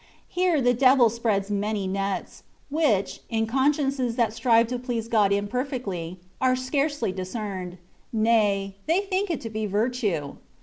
Here the devil spreads many nets, which, in con sciences that strive to please God imperfectly,* are scarcely discerned — nay, they think it to be virtue.